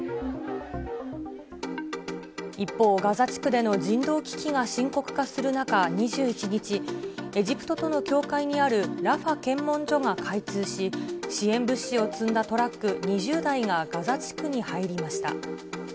一方、ガザ地区での人道危機が深刻化する中、２１日、エジプトとの境界にあるラファ検問所が開通し、支援物資を積んだトラック２０台がガザ地区に入りました。